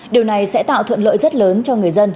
điều này sẽ tạo thuận lợi rất lớn cho người dân